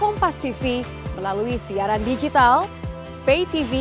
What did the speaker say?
nonton indonesia irak dimana pak